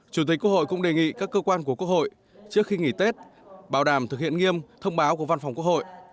chủ tịch quốc hội cũng đề nghị các cơ quan của quốc hội trước khi nghỉ tết bảo đảm thực hiện nghiêm thông báo của văn phòng quốc hội